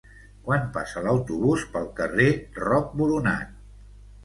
Quan passa l'autobús pel carrer Roc Boronat?